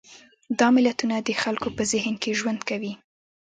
دا ملتونه د خلکو په ذهن کې ژوند کوي.